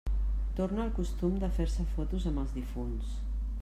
Torna el costum de fer-se fotos amb els difunts.